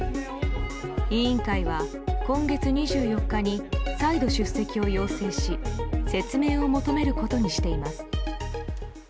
委員会は、今月２４日に再度出席を要請し説明を求めることにしています。